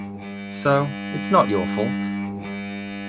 So, it’s not your fault.